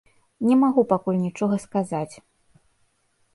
Не магу пакуль нічога сказаць.